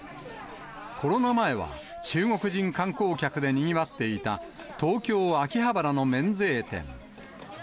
コロナ前は中国人観光客でにぎわっていた東京・秋葉原の免税店。